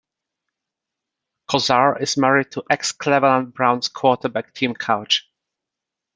Kozar is married to ex-Cleveland Browns quarterback Tim Couch.